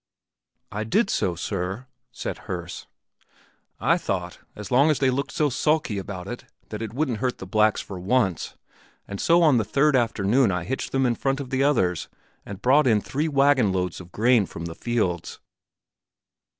"I did so, Sir," said Herse. "I thought, as long as they looked so sulky about it, that it wouldn't hurt the blacks for once, and so on the third afternoon I hitched them in front of the others and brought in three wagon loads of grain from the fields."